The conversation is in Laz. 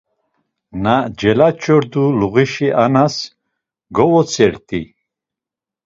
Na celaç̌ordu luğişi anas govotzert̆i.